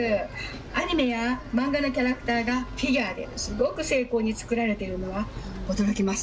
アニメや漫画のキャラクターがフィギュアですごく精巧に作られているのは、驚きます。